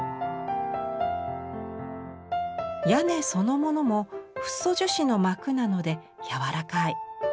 屋根そのものもフッ素樹脂の膜なのでやわらかい。